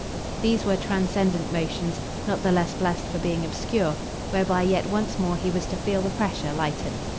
These were transcendent motions, not the less blest for being obscure; whereby yet once more he was to feel the pressure lighten.